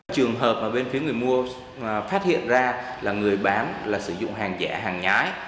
trường hợp mà bên phía người mua phát hiện ra là người bán là sử dụng hàng rẻ hàng nhái